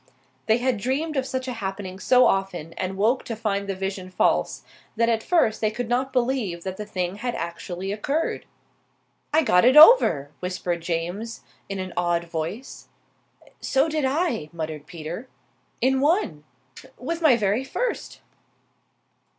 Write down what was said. They had dreamed of such a happening so often and woke to find the vision false, that at first they could not believe that the thing had actually occurred. "I got over!" whispered James, in an awed voice. "So did I!" muttered Peter. "In one!" "With my very first!"